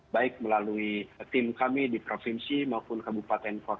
baik melalui tim kami di provinsi maupun kabupaten kota